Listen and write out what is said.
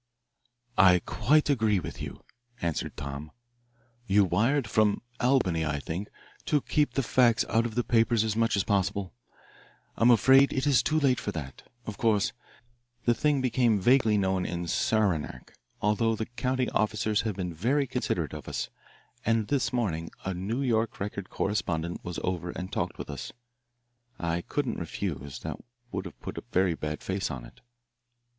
"I quite agree with you," answered Tom. "You wired, from Albany, I think, to keep the facts out of the papers as much as possible. I'm afraid it is too late for that. Of course the thing became vaguely known in Saranac, although the county officers have been very considerate of us, and this morning a New York Record correspondent was over and talked with us. I couldn't refuse, that would have put a very bad face on it."